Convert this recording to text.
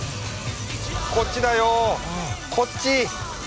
こっちだよこっち！